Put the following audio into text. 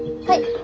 はい。